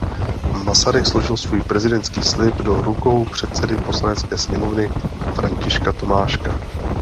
Masaryk složil svůj prezidentský slib do rukou předsedy poslanecké sněmovny Františka Tomáška.